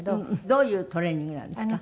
どういうトレーニングなんですか？